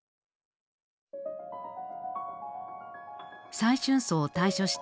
再春荘を退所した